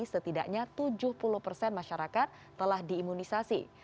setidaknya tujuh puluh persen masyarakat telah diimunisasi